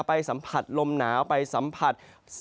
สัมผัสลมหนาวไปสัมผัส